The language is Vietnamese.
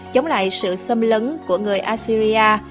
chống lại sự xâm lấn của người assyria